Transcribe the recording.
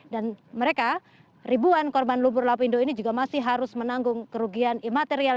dan mereka ribuan korban lumpur lapu indo ini juga masih harus menanggung kerugian imaterial